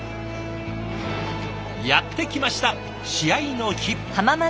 やってきました試合の日。